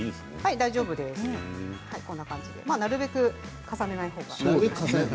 大丈夫です、でもなるべく重ならないほうが。